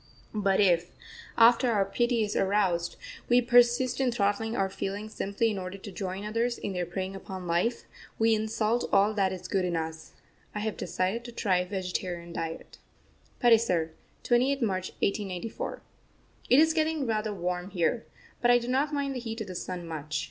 But if, after our pity is aroused, we persist in throttling our feelings simply in order to join others in their preying upon life, we insult all that is good in us. I have decided to try a vegetarian diet. PATISAR, 28th March 1894. It is getting rather warm here, but I do not mind the heat of the sun much.